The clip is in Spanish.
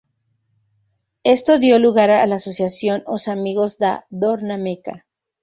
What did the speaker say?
Esto dio lugar a la asociación Os Amigos da Dorna Meca.